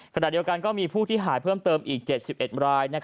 ขณะเดียวกันก็มีผู้ที่หายเพิ่มเติมอีก๗๑ราย